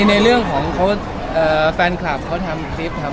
มีมีมีมีมีมีมีมีมีมีมีมีมีมีมีมี